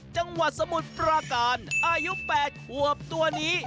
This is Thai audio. จังหวัดสมุทรปราการอายุ๘ขวบตัวนี้